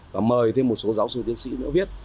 và mời thêm một số giáo sư tiến sĩ nữa viết